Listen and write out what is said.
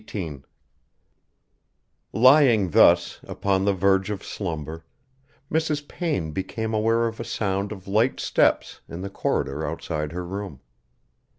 XVIII Lying thus, upon the verge of slumber, Mrs. Payne became aware of a sound of light steps in the corridor outside her room.